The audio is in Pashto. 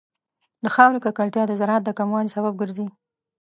د خاورې ککړتیا د زراعت د کموالي سبب ګرځي.